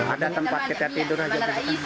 ada tempat kita tidur aja